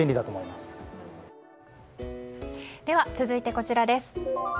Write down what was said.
続いて、こちらです。